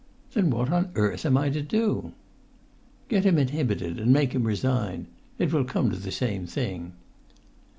"Then what on earth am I to do?" "Get him inhibited and make him resign. It will come to the same thing."